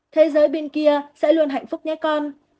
thế giới bên kia sẽ luôn hạnh phúc nhé con